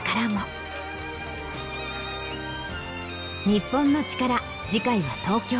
『日本のチカラ』次回は東京。